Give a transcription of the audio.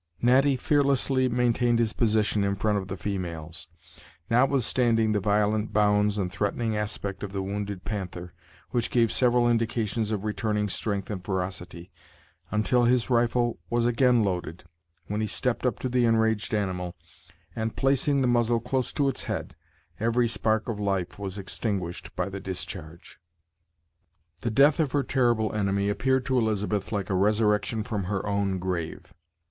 Natty fearlessly maintained his position in front of the females, notwithstanding the violent bounds and threatening aspect of the wounded panther, which gave several indications of returning strength and ferocity, until his rifle was again loaded, when he stepped up to the enraged animal, and, placing the muzzle close to its head, every spark of life was extinguished by the discharge. The death of her terrible enemy appeared to Elizabeth like a resurrection from her own grave.